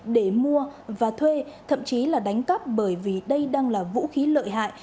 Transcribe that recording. để mua và thuê thậm chí là đánh cắp bởi vì đây đang là vũ khí lợi hại